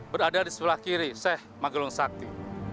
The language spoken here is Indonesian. berada di sebelah kiri seh magelung sakti